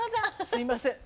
すいません。